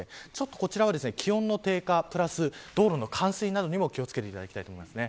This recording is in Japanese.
こちらは気温の低下、プラス道路の冠水などにも気を付けてもらいたいです。